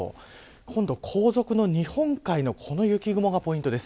今度、後続の日本海のこの雪雲がポイントです。